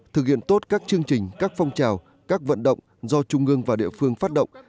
thực hiện tốt các chương trình các phong trào các vận động do trung ương và địa phương phát động